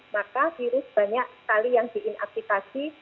maka virus banyak sekali yang di inaktifasi